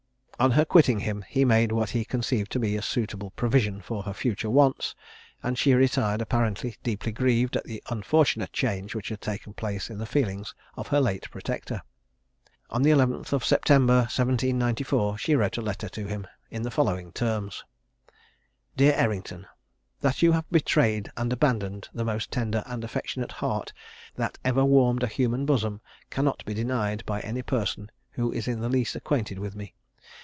On her quitting him, he made what he conceived to be a suitable provision for her future wants, and she retired apparently deeply grieved at the unfortunate change which had taken place in the feelings of her late protector. On the 11th September 1794, she wrote a letter to him in the following terms: "Dear Errington, That you have betrayed and abandoned the most tender and affectionate heart that ever warmed a human bosom, cannot be denied by any person who is in the least acquainted with me.